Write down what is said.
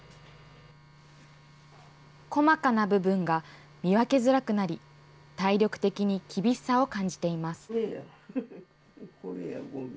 細かな部分が見分けづらくなり、体力的に厳しさを感じています。